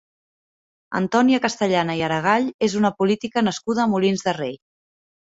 Antònia Castellana i Aregall és una política nascuda a Molins de Rei.